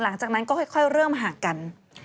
หลังจากนั้นก็ค่อยเริ่มห่างกัน